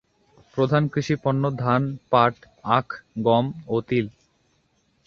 প্রধান কৃষি পণ্য ধান, পাট, আখ, গম ও তিল।